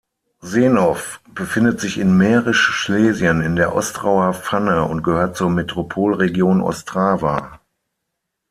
Šenov befindet sich in Mährisch-Schlesien in der Ostrauer Pfanne und gehört zur Metropolregion Ostrava.